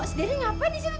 si darren ngapain disini tuh